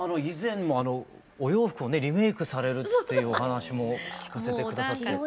以前もお洋服をリメークされるっていうお話も聞かせて下さって。